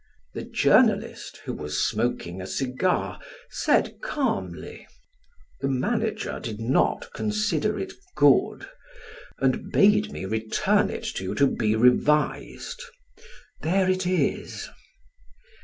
The journalist, who was smoking a cigar, said calmly: "The manager did not consider it good, and bade me return it to you to be revised. There it is."